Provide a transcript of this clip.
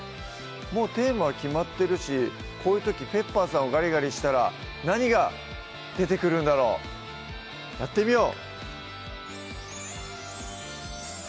もうテーマは決まってるしこういう時ペッパーさんをガリガリしたら何が出てくるんだろうやってみよう！